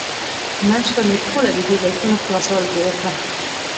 نن شپه مې ټوله د دې بیکونو په خلاصولو تېره کړې.